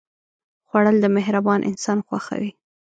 خوړل د مهربان انسان خوښه وي